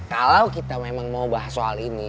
kalau kita memang mau bahas soal ini